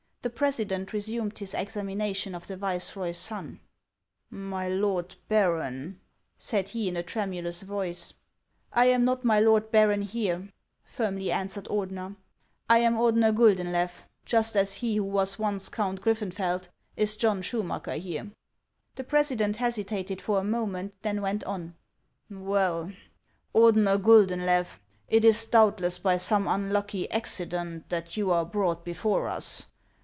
The president resumed his examination of the viceroy's son. " My lord Baron," said he, in a tremulous voice. 446 HANS OF ICELAND. " I am not ' my lord Baron ' here," firmly answered Ordener. " I am Ordener Guldenlew, just as he who was once Count Griffenfeld is John Schumacker here." The president hesitated for a moment, then went on :" Well, Ordener Guldenlew, it is doubtless by some un lucky accident that you are brought before us.